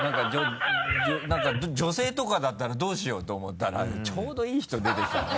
何か女性とかだったらどうしようと思ったらちょうどいい人出てきたね。